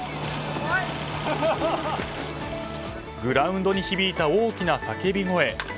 グラウンドの響いた大きな叫び声。